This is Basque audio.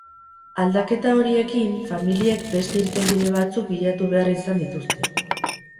Aldaketa horiekin, familiek beste irtenbide batzuk bilatu behar izan dituzte.